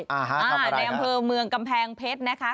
อ่าในอำเภอเมืองกำแพงเพชรนะคะ